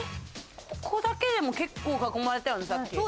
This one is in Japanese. ここだけでも結構囲まれたよ